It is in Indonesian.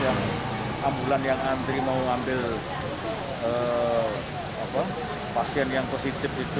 yang ambulan yang antri mau ngambil pasien yang positif itu